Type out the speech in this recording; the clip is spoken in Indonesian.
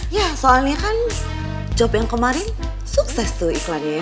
ya soalnya kan job yang kemarin sukses tuh iklannya ya